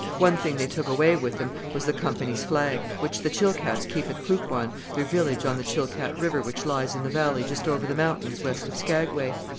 One thing they took away with them was the Company's flag, which the Chilkats keep at Kluckwan, their village on the Chilkat River which lies in the valley just over the mountains west of Skagway.